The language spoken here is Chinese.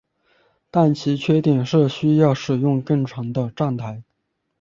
但其缺点是需要使用更长的站台。